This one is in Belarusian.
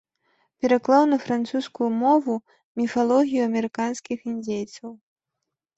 Пераклаў на французскую мову міфалогію амерыканскіх індзейцаў.